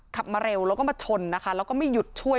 ขับมาเร็วชนแล้วก็ไม่อยุดช่วย